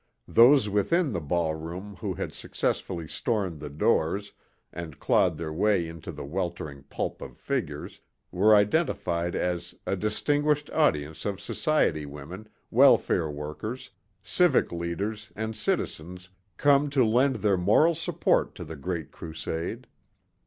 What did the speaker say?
Those within the ball room who had successfully stormed the doors and clawed their way into the weltering pulp of figures were identified as "a distinguished audience of society women, welfare workers, civic leaders and citizens come to lend their moral support to the great crusade."